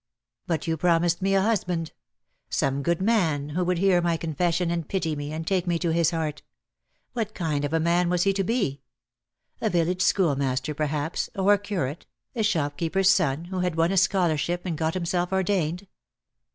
"But you promised me a husband; some good man who would hear my confession and pity me, and take me to his heart. What kind of a man was he to be? A village schoolmaster, perhaps, or a curate, a shopkeeper's son who had won a DEAD LOVE HAS CHAINS. l8l scholarship and got himself ordained.